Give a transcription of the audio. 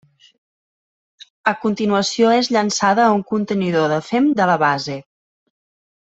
A continuació és llançada a un contenidor de fem de la base.